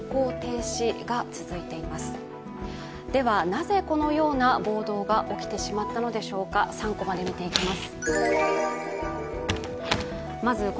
なぜこのような暴動が起きてしまったのでしょうか３コマで見ていきます。